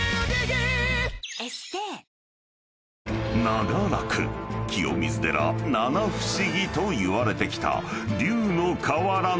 ［長らく清水寺七不思議といわれてきた］